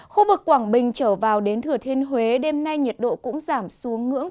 khu vực quảng bình trở vào đến thừa thiên huế đêm nay nhiệt độ cũng giảm xuống ngưỡng